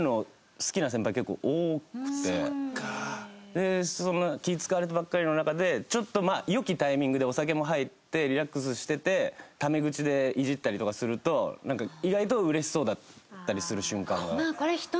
でそんな気ぃ使われてばっかりの中でちょっと良きタイミングでお酒も入ってリラックスしててタメ口でイジったりとかすると意外とうれしそうだったりする瞬間が。